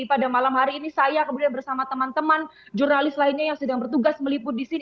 pada malam hari ini saya kemudian bersama teman teman jurnalis lainnya yang sedang bertugas meliput di sini